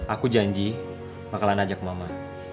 aku janji bakalan ajak mama